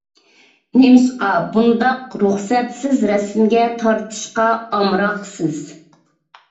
نېمىشقا بۇنداق رۇخسەتسىز رەسىمگە تارتىشقا ئامراقسىز؟